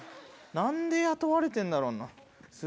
何で雇われてるんだろう？